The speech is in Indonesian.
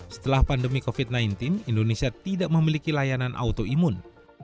setelah pandemi covid sembilan belas indonesia tidak memiliki layanan autoimun